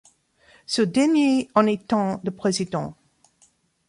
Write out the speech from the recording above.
Ce dernier en étant le président.